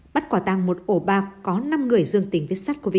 bắt quả tàng một ổ bạc có năm người dương tình viết sắt covid một mươi chín